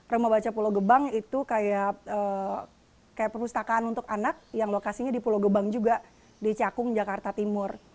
rumah baca pulau gebang itu kayak perpustakaan untuk anak yang lokasinya di pulau gebang juga di cakung jakarta timur